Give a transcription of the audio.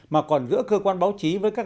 mà còn giữa cơ quan báo chí với các